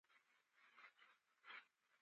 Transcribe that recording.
پر غومبسه خواره واره مېږيان راټول شول.